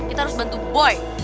kita harus bantu boy